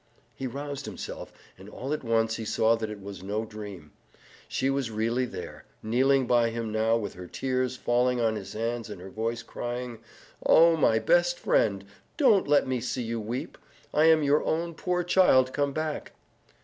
He roused himself, and all at once he saw that it was no dream. She was really there, kneeling by him now with her tears falling on his hands and her voice crying, "Oh, my best friend! Don't let me see you weep! I am your own poor child come back!"